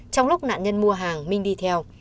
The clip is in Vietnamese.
trong lúc nạn nhân mua hàng minh đi theo